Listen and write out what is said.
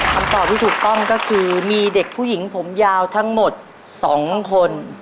คำตอบที่ถูกต้องก็คือมีเด็กผู้หญิงผมยาวทั้งหมด๒คน